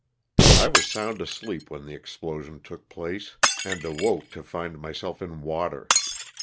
I was sound asleep when the explosion took place, and awoke to find myself in water.